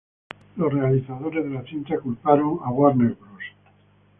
Los realizadores de la cinta culparon a Warner Bros.